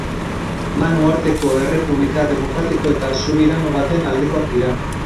Man uharteko errepublika demokratiko eta subirano baten aldekoak dira.